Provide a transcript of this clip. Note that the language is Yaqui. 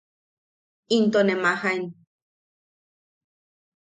Into ne majaen.